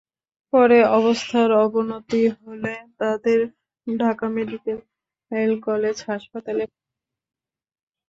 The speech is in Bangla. পরে অবস্থার অবনতি হলে তাঁদের ঢাকা মেডিকেল কলেজ হাসপাতালে পাঠানো হয়।